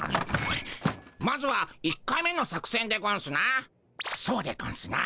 まずは１回目の作戦でゴンスな。